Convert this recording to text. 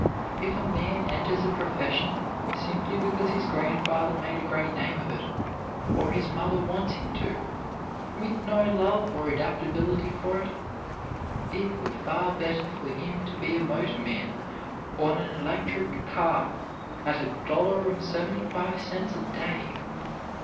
If a man enters a profession simply because his grandfather made a great name in it, or his mother wants him to, with no love or adaptability for it, it were far better for him to be a motor man on an electric car at a dollar and seventy five cents a day.